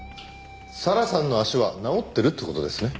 咲良さんの足は治ってるって事ですね？